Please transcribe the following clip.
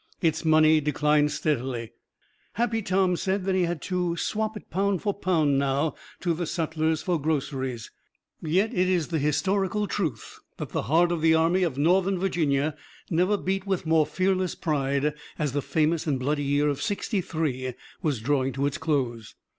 Its money declined steadily. Happy Tom said that he had to "swap it pound for pound now to the sutlers for groceries." Yet it is the historical truth that the heart of the Army of Northern Virginia never beat with more fearless pride, as the famous and "bloody" year of '63 was drawing to its close.